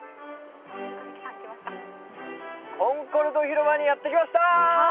コンコルド広場にやってきました！